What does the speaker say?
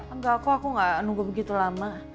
enggak aku aku gak nunggu begitu lama